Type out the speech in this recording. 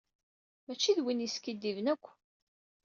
Mačči d win yeskiddiben akk.